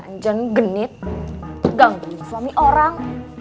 ganjan genit gangguin suami orang